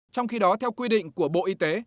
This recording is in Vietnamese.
trong khi đó theo quy định của bộ y tế